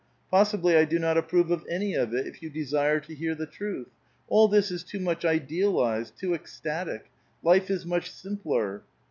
Possibly I do not ap prove of any of it, if you desire to hear the truth. All this is too much idealized, too ecstatic ! Life is much simpler."